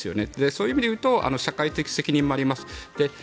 そういう意味でいうと社会的責任もあります。